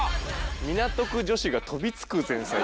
港区女子が飛びつく前菜。